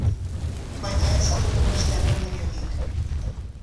Baina ez dugu beste erremediorik.